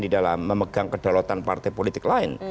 di dalam memegang kedalatan partai politik lain